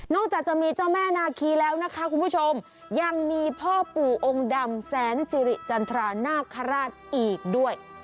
จากจะมีเจ้าแม่นาคีแล้วนะคะคุณผู้ชมยังมีพ่อปู่องค์ดำแสนสิริจันทรานาคาราชอีกด้วย